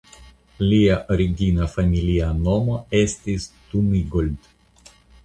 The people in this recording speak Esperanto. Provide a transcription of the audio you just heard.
Lia origina familia nomo estis "Tunigold.